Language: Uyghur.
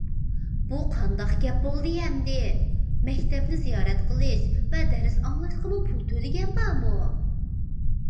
بۇ قانداق گەپ بولدى، ئەمدى، مەكتەپنى زىيارەت قىلىش ۋە دەرس ئاڭلاشقىمۇ پۇل تۆلىگەن بارمۇ؟!